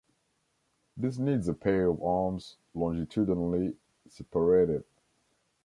This needs a pair of arms longitudinally separated.